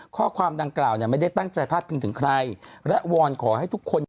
ข้อความดังกล่าวเนี่ยไม่ได้ตั้งใจพาดพิงถึงใครและวอนขอให้ทุกคน